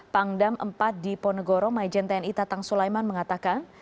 pangdam empat di ponegoro majen tni tatang sulaiman mengatakan